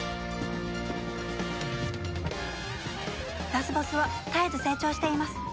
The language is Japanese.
ラスボスは絶えず成長しています。